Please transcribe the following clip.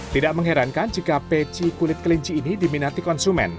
tidak mengherankan jika peci kulit kelinci ini diminati konsumen